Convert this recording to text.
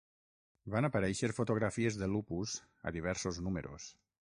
Van aparèixer fotografies de Lupus a diversos números.